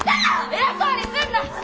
偉そうにすんな！